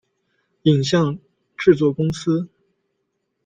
影像制作公司